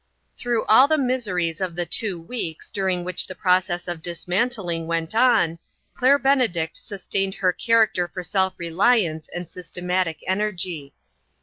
Through all the miseries of the two weeks during which the process of dismantling went on, Claire Benedict sustained her character for self reliance and systematic energy.